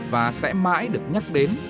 và sẽ mãi được nhắc đến